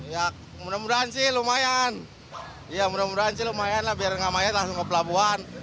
ya mudah mudahan sih lumayan ya mudah mudahan sih lumayan lah biar nggak mayat langsung ke pelabuhan